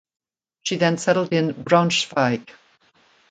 She then settled in Braunschweig.